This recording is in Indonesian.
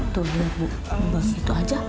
tuh ya bu itu aja